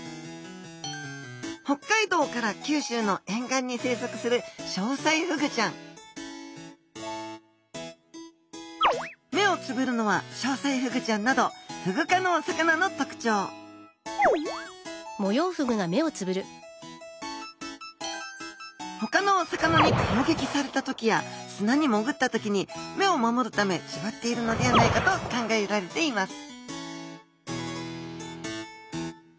北海道から九州の沿岸に生息するショウサイフグちゃん目をつぶるのはショウサイフグちゃんなどフグ科のお魚の特徴ほかのお魚にこうげきされた時や砂にもぐった時に目を守るためつぶっているのではないかと考えられています